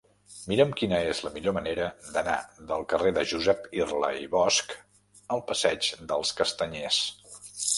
Mira'm quina és la millor manera d'anar del carrer de Josep Irla i Bosch al passeig dels Castanyers.